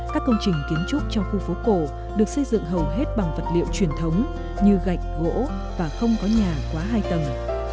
các công trình kiến trúc trong khu phố cổ được xây dựng hầu hết bằng vật liệu truyền thống như gạch gỗ và không có nhà quá hai tầng